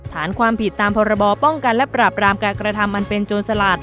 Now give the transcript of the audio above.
ฐานความผิดตามพรบป้องกันและปราบรามการกระทำอันเป็นโจรสลัด